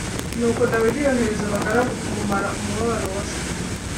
Nuko Dawidi yohereza abagaragu kumumara umubabaro wa se.